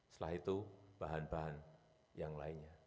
setelah itu bahan bahan yang lainnya